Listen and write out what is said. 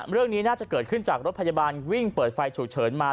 เรื่องนี้น่าจะเกิดขึ้นจากรถพยาบาลวิ่งเปิดไฟฉุกเฉินมา